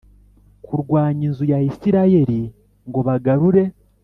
kurwanya inzu ya Isirayeli ngo bagarurire